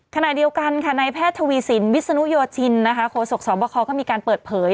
ขณะเดียวกันค่ะในแพทย์ทวีสินวิศนุโยชินโฆษกสอบคอก็มีการเปิดเผย